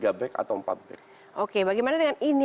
apalagi seandainya mereka bergabung dengan juve